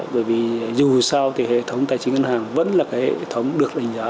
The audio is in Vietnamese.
bởi vì dù sao thì hệ thống tài chính ngân hàng vẫn là cái hệ thống được đánh giá